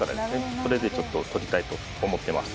それでちょっと取りたいと思ってます